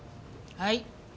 はい。